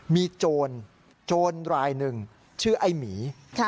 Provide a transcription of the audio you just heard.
มีโจรโจรรายหนึ่งชื่อไอ้หมี